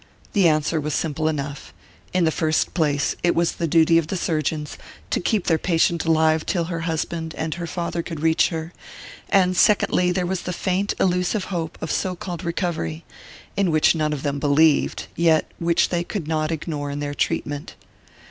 The answer was simple enough in the first place, it was the duty of the surgeons to keep their patient alive till her husband and her father could reach her; and secondly, there was that faint illusive hope of so called recovery, in which none of them believed, yet which they could not ignore in their treatment.